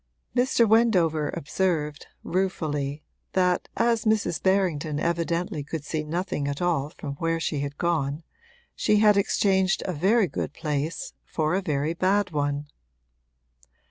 Mr. Wendover observed, ruefully, that as Mrs. Berrington evidently could see nothing at all from where she had gone she had exchanged a very good place for a very bad one.